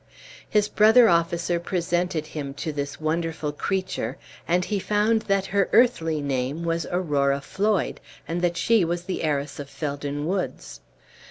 His brother officer presented him to this wonderful creature, and he found that her earthly name was Aurora Floyd, and that she was the heiress of Felden Woods.